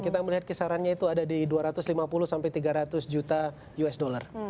kita melihat kisarannya itu ada di dua ratus lima puluh sampai tiga ratus juta usd